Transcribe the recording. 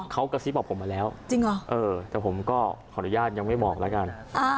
เขากระซิบบอกผมมาแล้วแต่ผมก็ขออนุญาตยังไม่บอกแล้วกัน